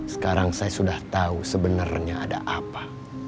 sekarang saya sudah tahu sebenarnya ada apa